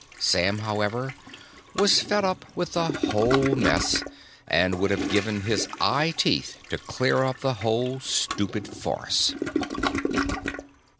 Sam, however, was fed up with the whole mess, and would have given his eyeteeth to clear up the whole stupid farce.